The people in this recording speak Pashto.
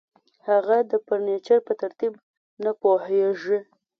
هغه د فرنیچر په ترتیب نه پوهیږي